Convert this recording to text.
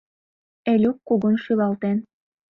Элюк кугун шӱлалтен.